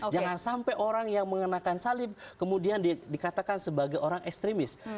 jangan sampai orang yang mengenakan salib kemudian dikatakan sebagai orang ekstremis